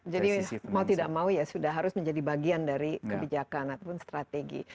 jadi mau tidak mau ya sudah harus menjadi bagian dari kebijakan ataupun strategi